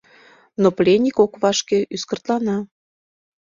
Но пленник ок вашке, ӱскыртлана.